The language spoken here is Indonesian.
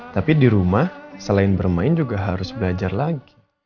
tapi di rumah selain bermain juga harus belajar lagi